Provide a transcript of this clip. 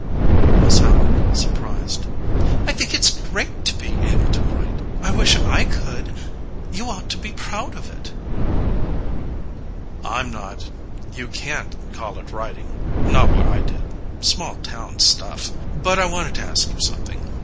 MISS HOWARD (surprised}. I think it s great to be 35 able to write. I wish I could. You ought to be proud of it. MURRAY (glumly}. I m not. You can t call it writing not what I did small town stuff. (Chang ing the subject.} But I wanted to ask you something.